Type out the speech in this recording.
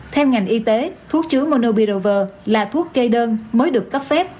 theo ngành y tế thuốc chứa monobirover là thuốc kê đơn mới được cấp phép